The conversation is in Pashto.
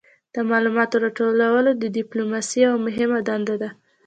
د معلوماتو راټولول د ډیپلوماسي یوه مهمه دنده ده